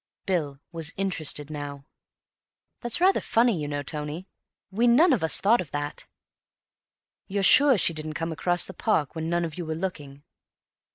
Bill was interested now. "That's rather funny, you know, Tony. We none of us thought of that." "You're sure she didn't come across the park when none of you were looking?"